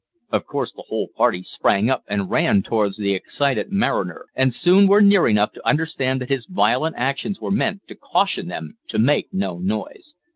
Of course the whole party sprang up and ran towards the excited mariner, and soon were near enough to understand that his violent actions were meant to caution them to make no noise.